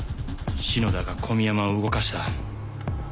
篠田が小宮山を動かした。